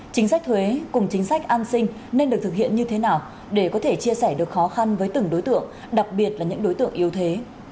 chính sách thuế cùng chính sách an sinh nên được thực hiện như thế nào để có thể chia sẻ được khó khăn với từng đối tượng đặc biệt là những đối tượng yếu thế